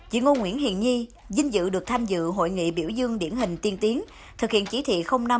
chị ngô nguyễn hiền nhi dinh dự được tham dự hội nghị biểu dương điển hình tiên tiến thực hiện chỉ thị năm